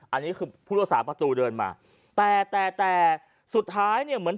อันนี้คือผู้รักษาประตูเดินมาแต่แต่แต่สุดท้ายเนี่ยเหมือน